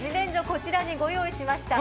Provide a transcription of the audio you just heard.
こちらにご用意しました。